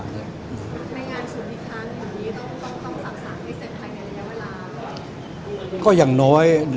ในงานสูงพิทางอย่างนี้ต้องสร้างภาพฤเศษภายในได้เวลา